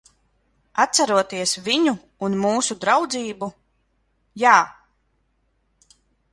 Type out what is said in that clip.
Atceroties viņu un mūsu draudzību. Jā.